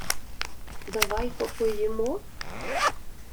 — Давай попоїмо?